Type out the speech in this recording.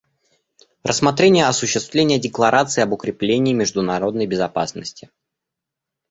Рассмотрение осуществления Декларации об укреплении международной безопасности.